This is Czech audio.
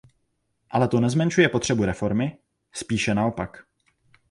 Ale to nezmenšuje potřebu reformy, spíše naopak.